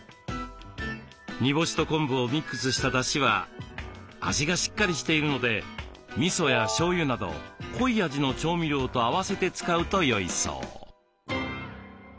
煮干しと昆布をミックスしただしは味がしっかりしているのでみそやしょうゆなど濃い味の調味料と合わせて使うとよいそう。